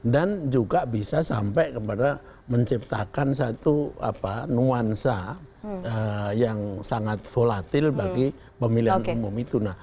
dan juga bisa sampai kepada menciptakan satu nuansa yang sangat volatil bagi pemilihan umum itu